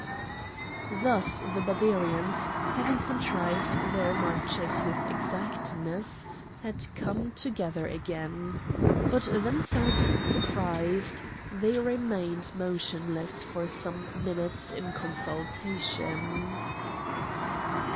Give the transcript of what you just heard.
Thus the Barbarians, having contrived their marches with exactness, had come together again. But themselves surprised, they remained motionless for some minutes in consultation.